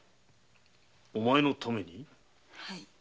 お前のために？